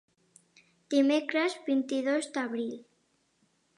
Dimecres, vint-i-dos d'abril.